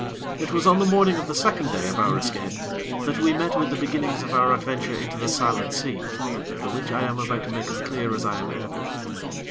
It was on the morning of the second day of our escape that we met with the beginnings of our adventure into the Silent Sea, the which I am about to make as clear as I am able.